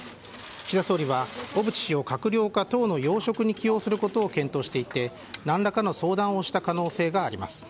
岸田総理は小渕氏を閣僚か党の要職に起用することを検討していて何らかの相談をした可能性があります。